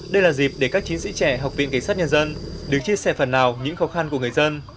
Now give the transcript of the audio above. đây là dịp để các chiến sĩ trẻ học viện cảnh sát nhân dân được chia sẻ phần nào những khó khăn của người dân